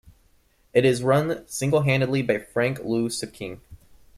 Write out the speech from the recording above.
It is run single-handedly by Frank Lu Siqing.